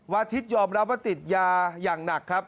อาทิตย์ยอมรับว่าติดยาอย่างหนักครับ